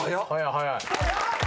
早い！